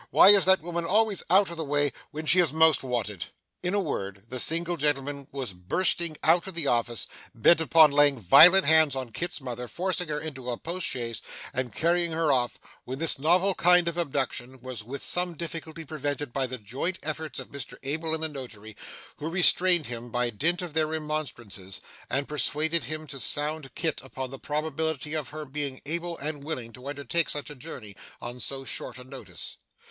Why is that woman always out of the way when she is most wanted?' In a word, the single gentleman was bursting out of the office, bent upon laying violent hands on Kit's mother, forcing her into a post chaise, and carrying her off, when this novel kind of abduction was with some difficulty prevented by the joint efforts of Mr Abel and the Notary, who restrained him by dint of their remonstrances, and persuaded him to sound Kit upon the probability of her being able and willing to undertake such a journey on so short a notice.